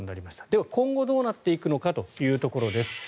では、今後どうなっていくのかというところです。